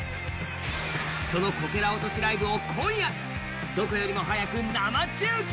そのこけら落としライブを今夜、どこよりも早く生中継！